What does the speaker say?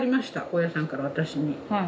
大家さんから私に。